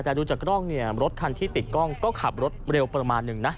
แต่ดูจากกล้องเนี่ยรถคันที่ติดกล้องก็ขับรถเร็วประมาณหนึ่งนะ